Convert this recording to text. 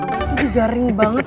itu garing banget